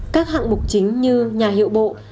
các hạng mục chính như nhà hiệu bộ